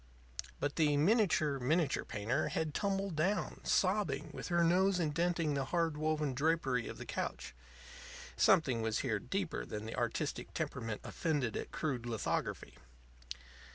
But the miniature miniature painter had tumbled down, sobbing, with her nose indenting the hard woven drapery of the couch. Something was here deeper than the artistic temperament offended at crude lithography.